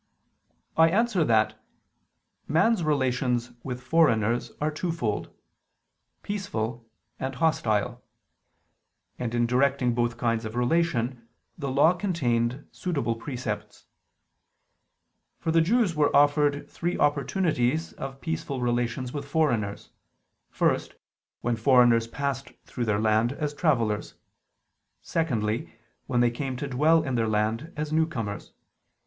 I answer that, Man's relations with foreigners are twofold: peaceful, and hostile: and in directing both kinds of relation the Law contained suitable precepts. For the Jews were offered three opportunities of peaceful relations with foreigners. First, when foreigners passed through their land as travelers. Secondly, when they came to dwell in their land as newcomers.